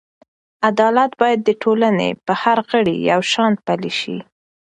عدالت باید د ټولنې په هر غړي یو شان پلی شي.